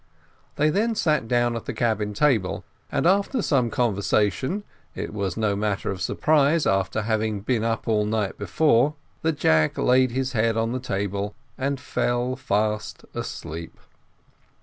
They then sat down at the cabin table, and after some conversation, it was no matter of surprise, after having been up all the night before, that Jack laid his head on the table and fell fast asleep.